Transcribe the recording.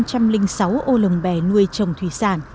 tại các vùng nuôi trồng tập trung